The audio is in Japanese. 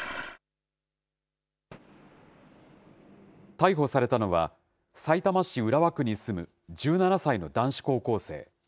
逮捕されたのは、さいたま市浦和区に住む１７歳の男子高校生。